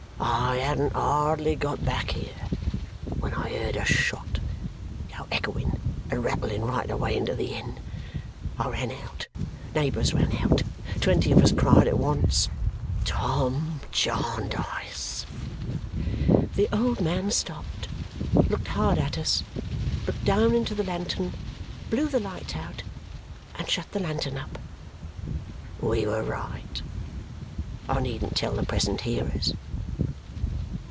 I hadn't hardly got back here when I heard a shot go echoing and rattling right away into the inn. I ran out neighbours ran out twenty of us cried at once, 'Tom Jarndyce!'" The old man stopped, looked hard at us, looked down into the lantern, blew the light out, and shut the lantern up. "We were right, I needn't tell the present hearers.